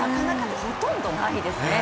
ほとんどないですね。